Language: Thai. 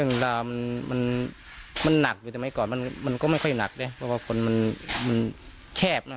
เพราะว่าคนมันแคบนะฮะ